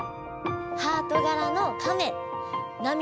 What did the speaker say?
ハートがらのカメなみ